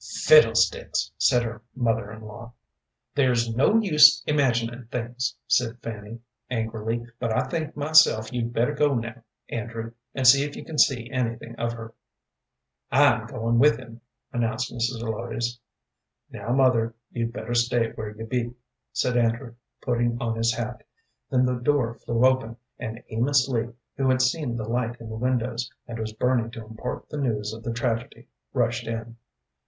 "Fiddlesticks!" said her mother in law. "There's no use imaginin' things," said Fanny, angrily; "but I think myself you'd better go now, Andrew, and see if you can see anything of her." "I'm goin' with him," announced Mrs. Zelotes. "Now, mother, you'd better stay where you be," said Andrew, putting on his hat. Then the door flew open, and Amos Lee, who had seen the light in the windows, and was burning to impart the news of the tragedy, rushed in.